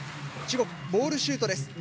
中国ボールシュートです。